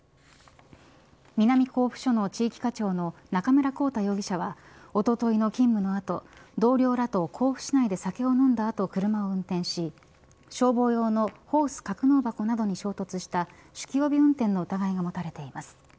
南甲府署の地域課長の中村康太容疑者はおとといの勤務の後同僚らと甲府市内で酒を飲んだ後車を運転し消防用のホース格納箱などに衝突した酒気帯び運転の疑いが持たれています。